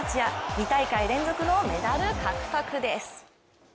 ２大会連続のメダル獲得です。